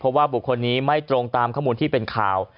เพราะว่าบุคคลนี้ไม่ตรงตามข้อมูลที่เป็นข่าว